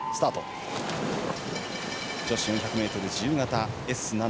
女子４００ｍ自由形Ｓ７。